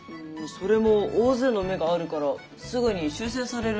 それも大勢の目があるからすぐに修正されるんじゃないかな。